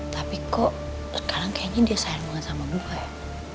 tapi kok sekarang kayaknya dia sayang banget sama bufa ya